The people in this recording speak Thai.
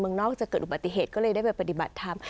เมืองนอกจะเกิดอุบัติเหตุก็เลยได้ไปปฏิบัติธรรม